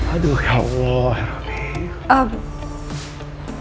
aduh ya allah herani